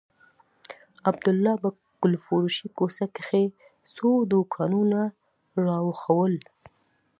عبدالله په ګلفروشۍ کوڅه کښې څو دوکانونه راوښوول.